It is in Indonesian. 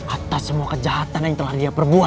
atas semua kejahatan yang telah dia perbuat